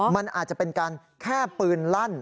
มันอาจจะเป็นการแค่ปืนลั่น